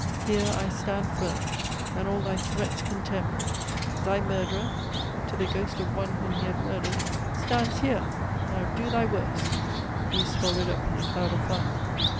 Here I stand firm, and all thy threats contemn. Thy murderer (to the ghost of one whom he had murdered) Stands here! Now do thy worst!" (He is swallowed up in a cloud of fire.)